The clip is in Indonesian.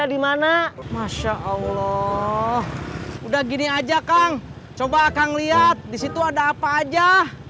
disini aja kang coba kang lihat disitu ada apa aja